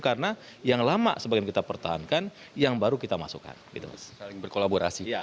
karena yang lama sebagian kita pertahankan yang baru kita masukkan